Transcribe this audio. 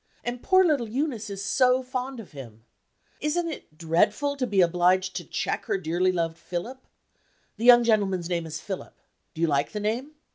And poor little Eunice is so fond of him! Isn't it dreadful to be obliged to check her dearly loved Philip? The young gentleman's name is Philip. Do you like the name?